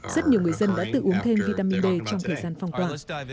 rất nhiều người dân đã tự uống thêm vitamin d trong thời gian phong tỏa